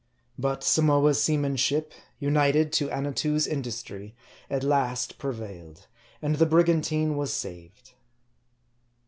But Samoa's seamanship, united to Annatoo's industry, at last prevailed ; and the brigantine was saved.